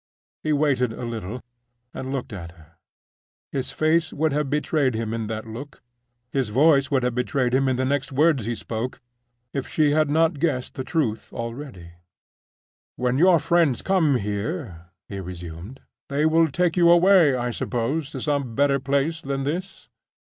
He waited a little, and looked at her. His face would have betrayed him in that look, his voice would have betrayed him in the next words he spoke, if she had not guessed the truth already. "When your friends come here," he resumed, "they will take you away, I suppose, to some better place than this."